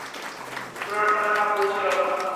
গোরার কানে তাহা পৌঁছিল না।